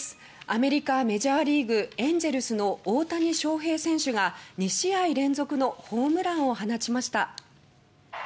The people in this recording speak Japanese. アメリカ、メジャーリーグエンゼルスの大谷翔平選手が２試合連続のホームランを放ちました！